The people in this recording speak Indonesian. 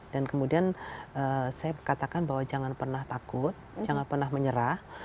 dan kemudian saya katakan bahwa jangan pernah takut jangan pernah menyerah